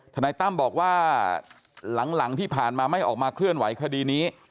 นายตั้มบอกว่าหลังที่ผ่านมาไม่ออกมาเคลื่อนไหวคดีนี้